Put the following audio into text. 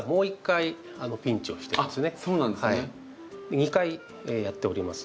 ２回やっております。